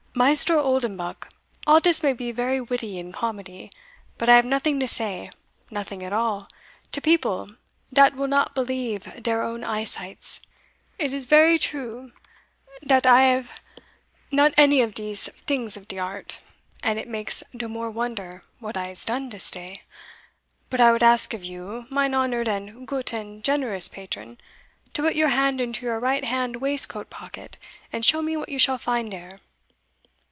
"Maister Oldenbuck, all dis may be very witty and comedy, but I have nothing to say nothing at all to people dat will not believe deir own eye sights. It is vary true dat I ave not any of de things of de art, and it makes de more wonder what I has done dis day. But I would ask of you, mine honoured and goot and generous patron, to put your hand into your right hand waistcoat pocket, and show me what you shall find dere."